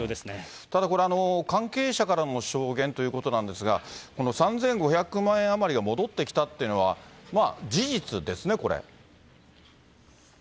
ただこれ、関係者からの証言ということなんですが、３５００万円余りが戻ってきたっていうのは、事実ですね、これ。